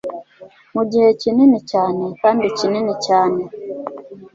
Mugihe kinini cyane kandi kinini cyane